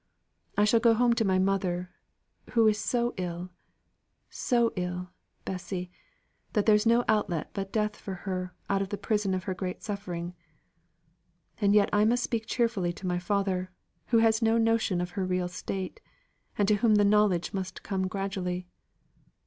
I shall go home to my mother, who is so ill so ill, Bessy, that there's no outlet but death for her out of prison of her great suffering; and yet I must speak cheerfully to my father, who has no notion of her real state, and to whom the knowledge must come gradually.